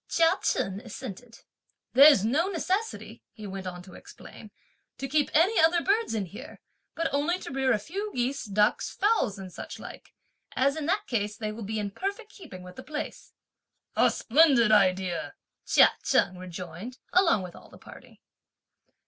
Chia Chen assented. "There's no necessity," he went on to explain, "to keep any other birds in here, but only to rear a few geese, ducks, fowls and such like; as in that case they will be in perfect keeping with the place." "A splendid idea!" Chia Cheng rejoined, along with all the party.